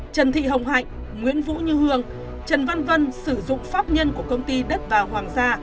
trần thị hồng hạnh nguyễn vũ như hương trần văn vân sử dụng pháp nhân của công ty đất vàng hoàng gia